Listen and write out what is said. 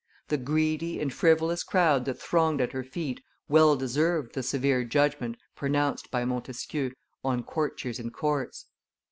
The greedy and frivolous crowd that thronged at her feet well deserved the severe judgment pronounced by Montesquieu on courtiers and courts.